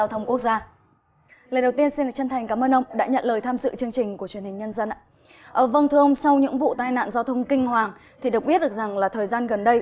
thì được biết được rằng là thời gian gần đây